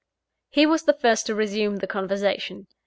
He was the first to resume the conversation.